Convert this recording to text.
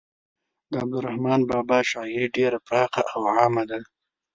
د عبدالرحمان بابا شاعري ډیره پراخه او عامه ده.